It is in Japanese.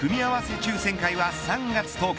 抽選会は３月１０日。